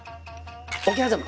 桶狭間。